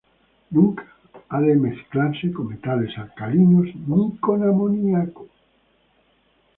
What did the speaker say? Nunca ha de mezclarse con metales alcalinos ni con amoniaco.